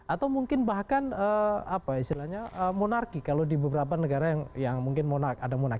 atau mungkin bahkan apa istilahnya monarki kalau di beberapa negara yang mungkin ada monarki